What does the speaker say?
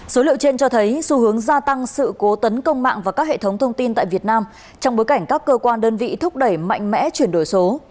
số liệu trên cho thấy xu hướng gia tăng sự cố tấn công mạng và các hệ thống thông tin tại việt nam trong bối cảnh các cơ quan đơn vị thúc đẩy mạnh mẽ chuyển đổi số